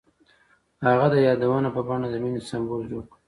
هغه د یادونه په بڼه د مینې سمبول جوړ کړ.